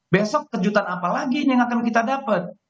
besok kejutan apa lagi yang akan kita dapat